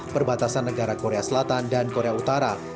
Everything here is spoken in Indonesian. perbatasan negara korea selatan dan korea utara